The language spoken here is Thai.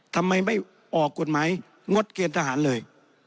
ทำไมไม่ออกกฎหมายงดเกณฑ์ทหารเลย